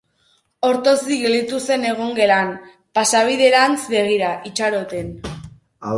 Ortozik gelditu zen egongelan, pasabiderantz begira, itxaroten.